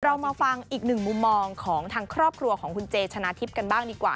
เรามาฟังอีกหนึ่งมุมมองของทางครอบครัวของคุณเจชนะทิพย์กันบ้างดีกว่า